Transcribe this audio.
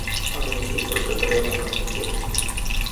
A venit timpul să creăm un început.